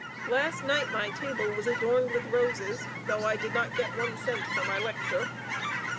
Last night my table was adorned with roses, although I did not get one cent for my lecture."